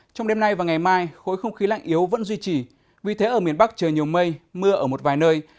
trong đêm nay và ngày mai khối không khí lạnh yếu vẫn duy trì vì thế ở miền bắc trời nhiều mây mưa ở một vài nơi